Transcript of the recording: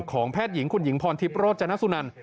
แพทย์หญิงคุณหญิงพรทิพย์โรจนสุนัน